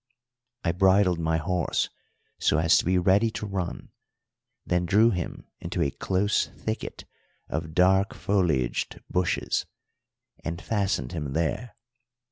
I bridled my horse so as to be ready to run, then drew him into a close thicket of dark foliaged bushes and fastened him there.